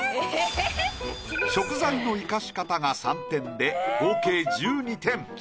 食材の生かし方が３点で合計１２点。